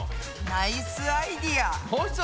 ナイスアイデア！